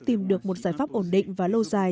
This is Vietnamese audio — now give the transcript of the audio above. tìm được một giải pháp ổn định và lâu dài